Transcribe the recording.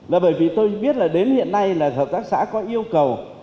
và bởi vì tôi biết là đến hiện nay là hợp tác xã có yêu cầu